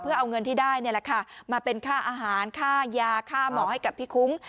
เพื่อเอาเงินที่ได้นี่แหละค่ะมาเป็นค่าอาหารค่ายาค่าหมอให้กับพี่คุ้ง